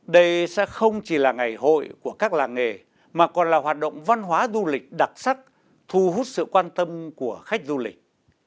đó là ngày hội của các làng nghề mà còn là hoạt động văn hóa du lịch đặc sắc thu hút sự quan tâm của khách du lịch